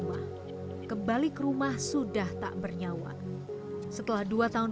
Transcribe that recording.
ambilir adaunnyah musros merupakan